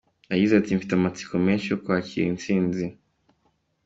Yagize ati, “Mfite amatsiko menshi yo kwakira intsinzi”.